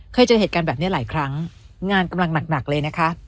เคยเจอเหตุการณ์แบบนี้หลายครั้งงานกำลังหนักเลยนะคะ